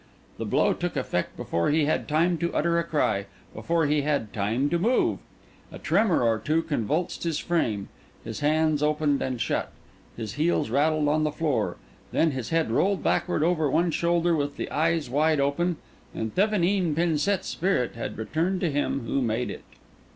The blow took effect before he had time to utter a cry, before he had time to move. A tremor or two convulsed his frame; his hands opened and shut, his heels rattled on the floor; then his head rolled backward over one shoulder with the eyes wide open; and Thevenin Pensete's spirit had returned to Him who made it.